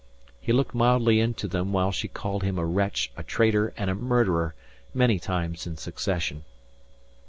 He looked mildly into them while she called him a wretch, a traitor and a murderer many times in succession.